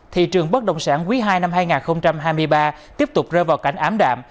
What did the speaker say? thị trường bất động sản quý ii năm hai nghìn hai mươi ba tiếp tục rơi vào cảnh ám đạm